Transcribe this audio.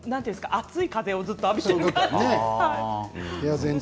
熱い風をずっと浴びている感じで。